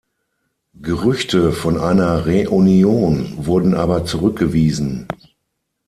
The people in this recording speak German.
Gerüchte von einer Reunion wurden aber zurückgewiesen.